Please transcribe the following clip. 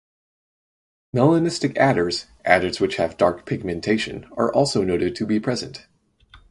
Melanistic adders (adders which have dark pigmentation) are also noted to be present.